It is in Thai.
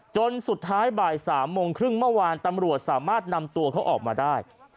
จนสุดท้ายบ่าย๓โมงครึ่งเมื่อวานตำรวจสามารถนำตัวเขาออกมาได้